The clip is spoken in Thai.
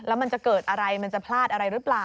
แล้วมันจะเกิดอะไรมันจะพลาดอะไรหรือเปล่า